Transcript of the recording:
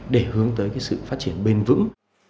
để hướng tới cái sự phát triển bền vững